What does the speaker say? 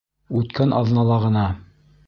Үткән аҙнала ғына...